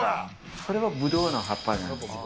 これはぶどうの葉っぱなんです。